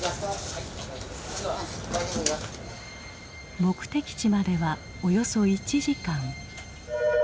目的地まではおよそ１時間。